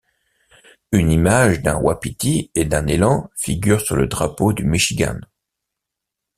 Une image d'un wapiti et d'un élan figure sur le drapeau du Michigan.